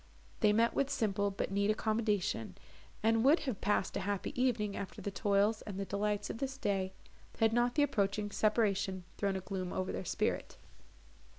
They met with simple, but neat accommodation, and would have passed a happy evening, after the toils and the delights of this day, had not the approaching separation thrown a gloom over their spirit.